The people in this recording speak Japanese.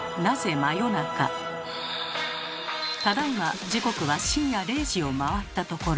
ただいま時刻は深夜０時を回ったところ。